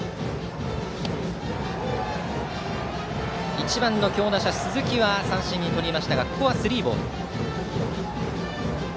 １番の強打者、鈴木は三振にとりましたがここはスリーボール。